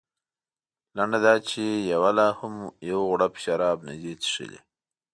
لنډه دا چې یوه لا هم یو غړپ شراب نه دي څښلي.